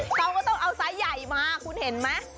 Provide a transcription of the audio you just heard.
เขาก็ต้องเอาสายใหญ่มาคุณเห็นไหม